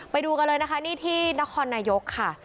ไปดูกันเลยนะคะนี่ที่นครนายกค่ะ